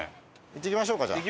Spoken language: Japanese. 行ってきましょうかじゃあ。